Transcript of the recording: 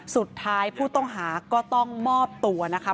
สุดท้ายผู้ต้องหาก็ต้องมอบตัวนะคะ